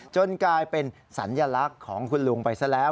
กลายเป็นสัญลักษณ์ของคุณลุงไปซะแล้ว